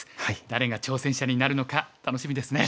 誰が挑戦者になるのか楽しみですね。